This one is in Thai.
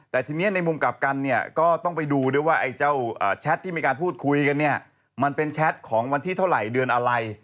แต่ทีนี้ในมุมกลับกันเนี่ยก็ต้องไปดูด้วยว่าไอ้เจ้าแชทที่มีการพูดคุยกันเนี่ยมันเป็นแชทของวันที่เท่าไหร่เดือนอะไร